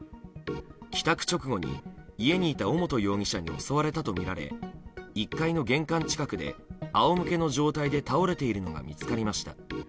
帰宅直後に家にいた尾本容疑者に襲われたとみられ１階の玄関近くで仰向けの状態で倒れているのが見つかりました。